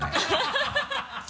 ハハハ